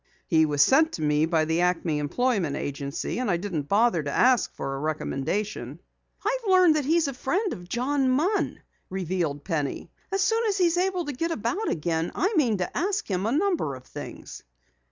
"He was sent to me by the Acme Employment Agency, and I didn't bother to ask for a recommendation." "I've learned that he's a friend of John Munn," revealed Penny. "As soon as he's able to get about again, I mean to ask him a number of things."